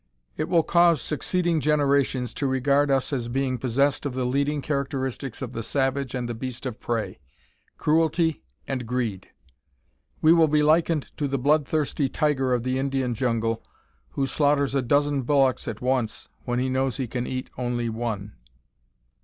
It will cause succeeding generations to regard us as being possessed of the leading characteristics of the savage and the beast of prey cruelty and greed. We will be likened to the blood thirsty tiger of the Indian jungle, who slaughters a dozen bullocks at once when he knows he can eat only one.